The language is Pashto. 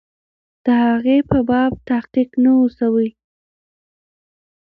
د هغې په باب تحقیق نه وو سوی.